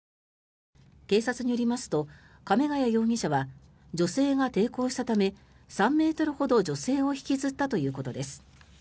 警察によりますと亀ケ谷容疑者は女性が抵抗したため３ｍほど女性を引きずったということです。